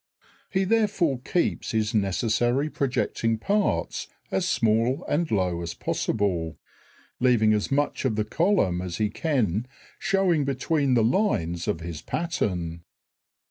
He therefore keeps his necessary projecting parts as small and low as possible, leaving as much of the column as he can showing between the lines of his pattern.